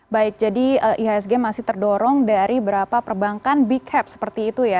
baik jadi ihsg masih terdorong dari berapa perbankan big cap seperti itu ya